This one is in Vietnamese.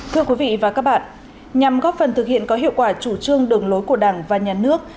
thưa quý vị và các bạn nhằm góp phần thực hiện có hiệu quả chủ trương đường lối của đảng và nhà nước